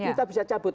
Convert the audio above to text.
kita bisa cabut